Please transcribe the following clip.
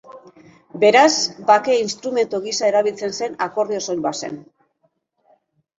Beraz, bake-instrumentu gisa erabiltzen zen akordio soil bat zen.